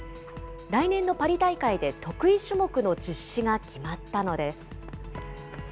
来年のパリ大会で得意種目の実施が決まったのです。